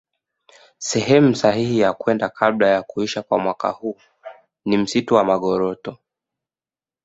Sehemu sahihi ya kwenda kabla ya kuisha kwa mwaka huu ni msitu wa Magoroto